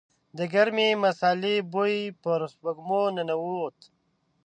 د ګرمې مسالې بوی يې پر سپږمو ننوت.